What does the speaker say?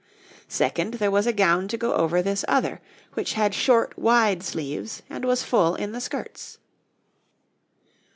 Second, there was a gown to go over this other, which had short, wide sleeves, and was full in the skirts.